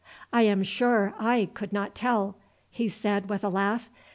"I am sure I could not tell," he said with a laugh.